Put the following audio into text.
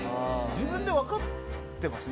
自分で分かっています？